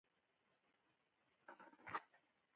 د احمد خو هم ډېر خلي سپين شوي دي.